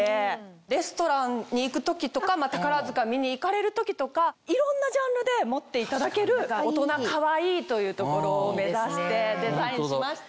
レストランに行く時とか宝塚見に行かれる時とかいろんなジャンルで持っていただける大人かわいいというところを目指してデザインしました。